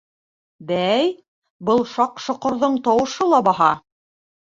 Бәй, был Шаҡ-Шоҡорҙоң тауышы ла баһа!